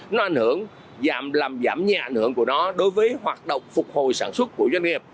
nó làm giảm nhẹ ảnh hưởng của nó đối với hoạt động phục hồi sản xuất của doanh nghiệp